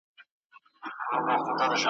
ور آزاد به وي مزلونه ,